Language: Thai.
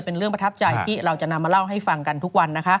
เป็นเรื่องประทับใจที่เราจะนำมาเล่าให้ฟังกันทุกวันนะคะ